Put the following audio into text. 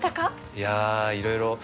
いやいろいろ。